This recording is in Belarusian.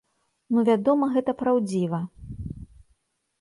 Ну вядома, гэта праўдзіва.